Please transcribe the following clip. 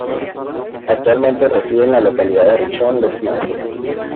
Actualmente reside en la localidad de Rishon LeZion.